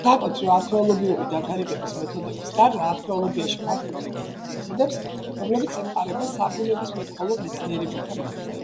საკუთრივ არქეოლოგიური დათარიღების მეთოდების გარდა, არქეოლოგიაში ფართოდ იყენებენ მეთოდებს, რომლებიც ემყარება საბუნებისმეტყველო მეცნიერებათა მიღწევებს.